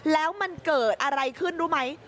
แล้วมันเกิดอะไรขึ้นรู้ไหม